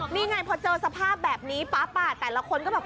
นี่ไงพอเจอสภาพแบบนี้ปั๊บแต่ละคนก็แบบ